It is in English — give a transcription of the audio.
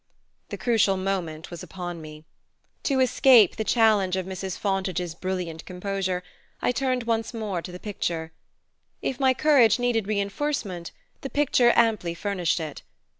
The crucial moment was upon me. To escape the challenge of Mrs. Fontage's brilliant composure I turned once more to the picture. If my courage needed reinforcement, the picture amply furnished it.